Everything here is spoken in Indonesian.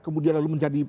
kemudian lalu menjadi